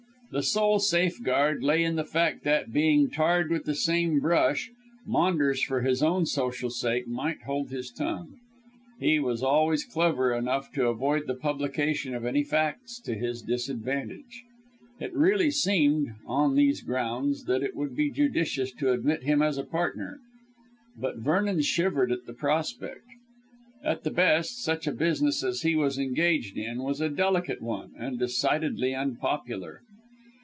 The sole safeguard lay in the fact that, being tarred with the same brush, Maunders for his own social sake might hold his tongue. He was always clever enough to avoid the publication of any facts to his disadvantage. It really seemed, on these grounds, that it would be judicious to admit him as a partner. But Vernon shivered at the prospect. At the best, such a business as he was engaged in, was a delicate one and decidedly unpopular.